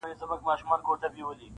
د دې خوب تعبير يې ورکه شیخ صاحبه,